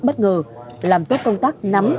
bất ngờ làm tốt công tác nắm